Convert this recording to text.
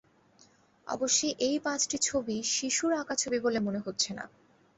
অবশ্যি এই পাঁচটি ছবি শিশুর আঁকা ছবি বলে মনে হচ্ছে না।